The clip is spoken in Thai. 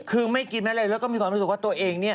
คือไม่กินอะไรแล้วก็มีความรู้สึกว่าตัวเองเนี่ย